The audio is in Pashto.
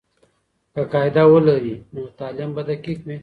که قاعده ولري، نو تعلیم به دقیق وي.